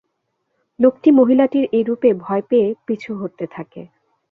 লোকটি মহিলাটির এ রূপে ভয় পেয়ে পিছু হটতে থাকে।